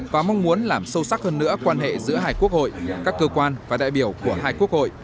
và mong muốn làm sâu sắc hơn nữa quan hệ giữa hai quốc hội các cơ quan và đại biểu của hai quốc hội